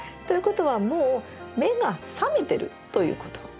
ということはもう目が覚めてるということ。